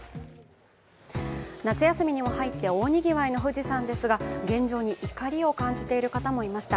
夏休みにも入って大にぎわいの富士山ですが、現状に怒りを感じている方もいました。